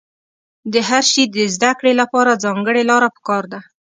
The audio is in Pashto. د هر شي د زده کړې له پاره ځانګړې لاره په کار ده.